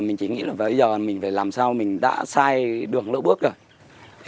mình chỉ nghĩ là bây giờ mình phải làm sao mình đã sai đường lỗ bước rồi